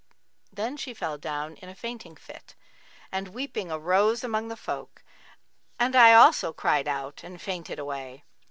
Then she fell down in a fainting fit and weeping arose amongst the folk; and I also cried out and fainted away.